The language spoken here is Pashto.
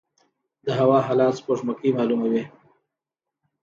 د هوا حالات سپوږمکۍ معلوموي